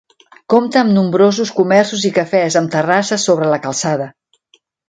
Compta amb nombrosos comerços i cafès amb terrasses sobre la calçada.